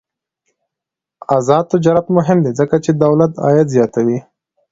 آزاد تجارت مهم دی ځکه چې دولت عاید زیاتوي.